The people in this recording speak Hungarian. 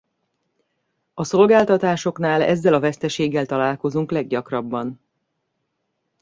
A szolgáltatásoknál ezzel a veszteséggel találkozunk leggyakrabban.